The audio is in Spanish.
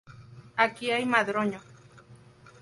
Aquí hay madroño